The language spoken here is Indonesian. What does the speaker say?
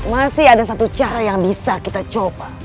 masih ada satu cara yang bisa kita coba